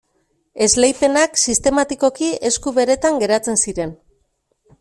Esleipenak sistematikoki esku beretan geratzen ziren.